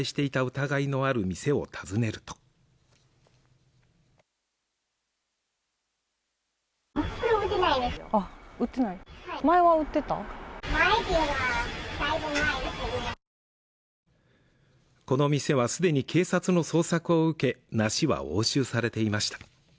疑いのある店を訪ねるとこの店はすでに警察の捜索を受け梨は押収されていました